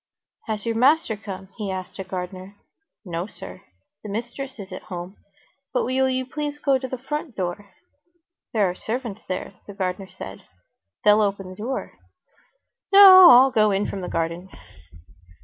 "Has your master come?" he asked a gardener. "No, sir. The mistress is at home. But will you please go to the front door; there are servants there," the gardener answered. "They'll open the door." "No, I'll go in from the garden."